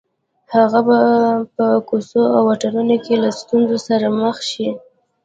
هغه به په کوڅو او واټونو کې له ستونزو سره مخ شي